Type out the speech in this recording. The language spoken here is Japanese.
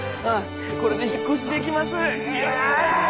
ああこれで引っ越しできます。